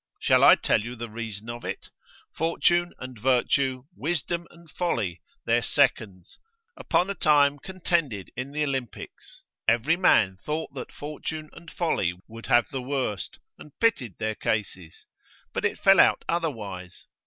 Shall I tell you the reason of it? Fortune and Virtue, Wisdom and Folly, their seconds, upon a time contended in the Olympics; every man thought that Fortune and Folly would have the worst, and pitied their cases; but it fell out otherwise.